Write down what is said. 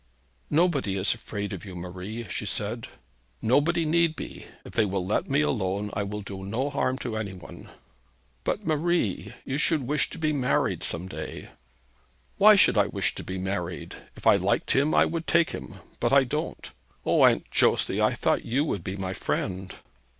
'Nobody is afraid of you, Marie,' she said. 'Nobody need be. If they will let me alone, I will do no harm to any one.' 'But, Marie, you would wish to be married some day.' 'Why should I wish to be married? If I liked him, I would take him, but I don't. O, Aunt Josey, I thought you would be my friend!'